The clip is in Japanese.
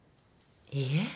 いいえ。